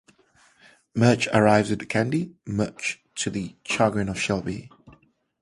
Murch arrives with Candy, much to the chagrin of Shelby.